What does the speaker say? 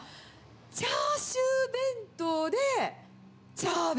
チャーシュー弁当で、チャー弁。